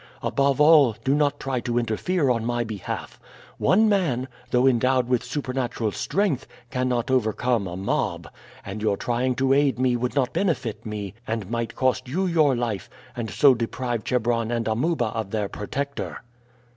Above all, do not try to interfere on my behalf. One man, though endowed with supernatural strength, cannot overcome a mob, and your trying to aid me would not benefit me, and might cost you your life, and so deprive Chebron and Amuba of their protector."